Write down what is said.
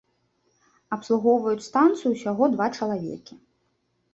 Абслугоўваюць станцыю ўсяго два чалавекі.